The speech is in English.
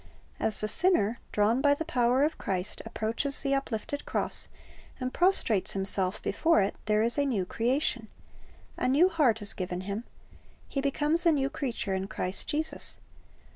"' As the sinner, drawn by the power of Christ, approaches the uplifted cross, and prostrates himself before it, there is a new creation. A new heart is given him. He becomes a new creature in Christ Jesus.